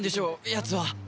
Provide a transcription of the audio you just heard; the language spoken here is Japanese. やつは。